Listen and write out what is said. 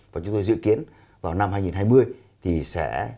và chúng tôi dự kiến vào năm hai nghìn hai mươi thì sẽ